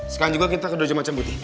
sekarang juga kita ke dojo macem putih